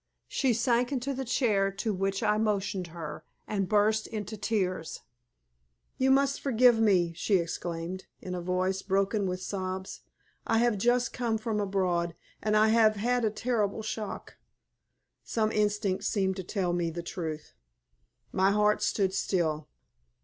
She sank into the chair to which I motioned her, and burst into tears. "You must please forgive me," she exclaimed, in a voice broken with sobs. "I have just come from abroad, and I have had a terrible shock." Some instinct seemed to tell me the truth. My heart stood still.